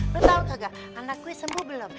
lo tau gak anak gue sembuh belum